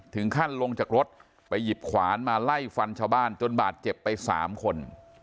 ถึงขั้นลงจากรถไปหยิบขวานมาไล่ฟันชาวบ้านจนบาดเจ็บไป๓คน